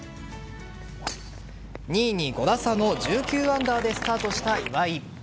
２位に５打差の１９アンダーでスタートした岩井。